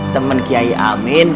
teman kiai amin